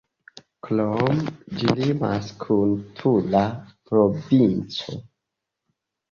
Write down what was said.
Krome, ĝi limas kun Tula provinco.